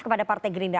kepada partai gerindra